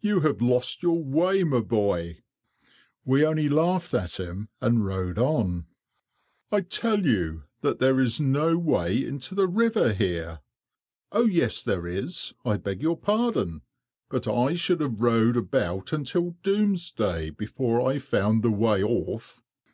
You have lost your way, my boy." We only laughed at him and rowed on. "I tell you that there is no way into the river here. Oh, yes, there is; I beg your pardon, but I should have rowed about until doomsday before I found the way off."